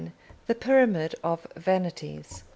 The Pyramid of Vanities.